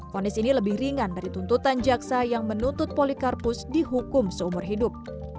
fonis ini lebih ringan dari tuntutan jaksa yang menuntut polikarpus dihukum seumur hidup